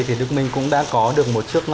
thì đức minh cũng đã có được một chiếc